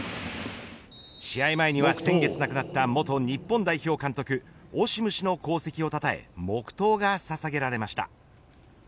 試合前には先月亡くなった元日本代表監督オシム氏の功績をたたえ黙とうがささげられました。